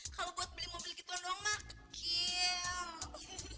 kalo buat beli mobil gituan doang mah kecil